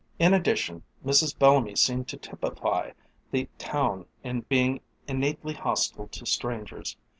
In addition, Mrs. Bellamy seemed to typify the town in being innately hostile to strangers.